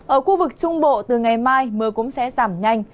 ở khu vực trung bộ từ ngày mai mưa cũng sẽ giảm nhanh